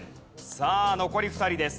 さあ残り２人です。